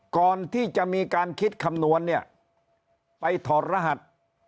ก่อนที่จะมีการคิดคำนวณเนี่ยไปถอดรหัส